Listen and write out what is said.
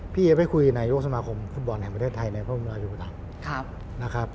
พี่จะไปคุยในโลกสมาคมคุณบ่อนแห่งประเทศไทยในพรมราชิกุศัพท์